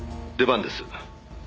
出番です」